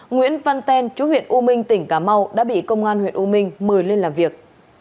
nguyễn văn ten chú huyện u minh tỉnh cà mau đã bị công an huyện u minh mời lên làm việc